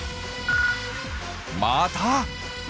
また！